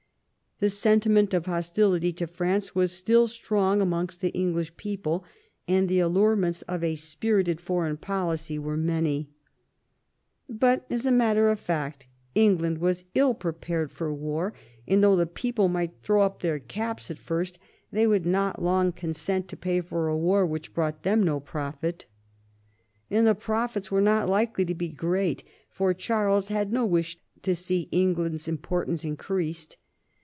The sentiment of hostility to France was still strong amongst the English people, and the allurements of a spirited foreign policy were many. But as a matter of fact England was ill prepared for war ; and though the people might throw up their caps at first, they would not long consent to pay for a war VI THE IMPERIAL ALLIANCE 89 which brought them no profits. And the profits were not likely to be great, for Charles had no wish to see England's importance increased.